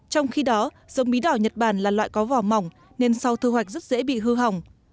trong khi đó giống bí đỏ nhật bản là loại có vỏ mỏng nên sau thu hoạch rất dễ bị hư hỏng